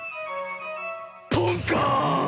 ポンカーン！